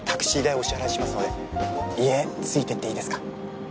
お支払いしますので家、ついて行ってイイですか？